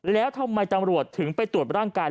แล้วทำไมตำรวจถึงไปตรวจร่างกาย